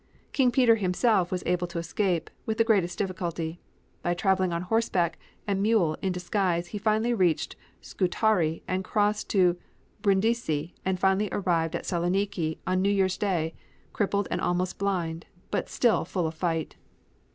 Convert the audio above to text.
King Peter himself was able to escape, with the greatest difficulty. By traveling on horseback and mule back in disguise he finally reached Scutari and crossed to Brindisi and finally arrived at Saloniki on New Year's Day, crippled and almost blind, but still full of fight.